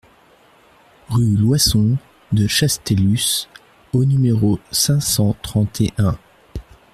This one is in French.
Rue Loyson de Chastelus au numéro cinq cent trente et un